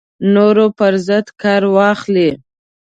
نورو پر ضد کار واخلي